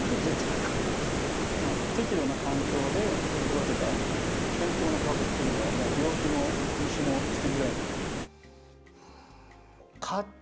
適度な環境で育てた健康な株っていうのは病気も虫もつきづらいんですよね。